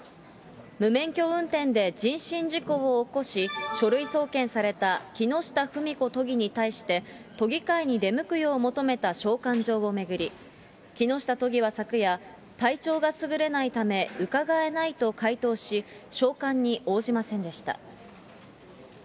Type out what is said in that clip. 無免許運転で人身事故を起こし、書類送検された木下富美子都議に対して、都議会に出向くよう求めた召喚状を巡り、木下都議は昨夜、体調がすぐれないため、うかがえないと回答し、召喚に応じませんでした。